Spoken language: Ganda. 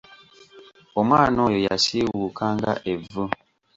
Omwana oyo yasiiwuuka nga Evvu.